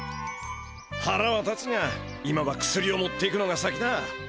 はらは立つが今は薬を持っていくのが先だ。